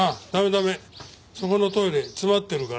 駄目そこのトイレ詰まってるから。